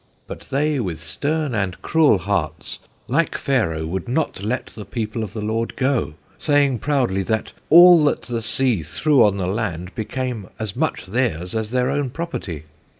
"But they with stern and cruel hearts like Pharaoh would not let the people of the Lord go, saying proudly that, 'All that the sea threw on the land became as much theirs as their own property.'